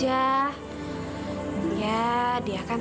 ya dia kan selalu berpikir pikir